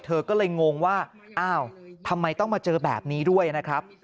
เธอก็เลยงงว่าอ้าวทำไมต้องมาเจอแบบนี้ด้วยนะครับ